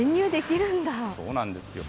そうなんですよ。